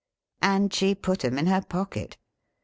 And she put 'em in her pocket.